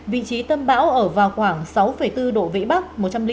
vị trí tâm bão ở vào khoảng sáu bốn độ vĩ bắc